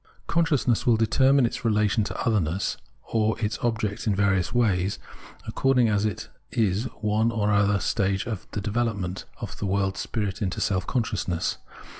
Consciousness will determine its relation to otherness or its object in various ways, according as it is at one or other stage in the development of the world spirit into self consciousness.